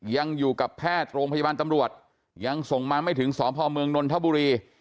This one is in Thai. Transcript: ยังอยู่กับแพทย์โรงพยาบาลตำรวจยังส่งมาไม่ถึงสพเมืองนนทบุรี